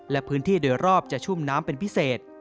และพื้นที่โดยรอบจะชุ่มน้ำเป็นพิเศษ